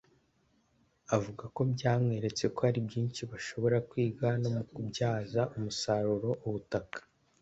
avuga ko byamweretse ko hari byinshi bashobora kwiga no mu kubyaza umusaruro ubutaka